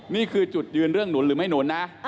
นี่คือจุดยืนเรื่องหนุนหรือไม่หนุนนะ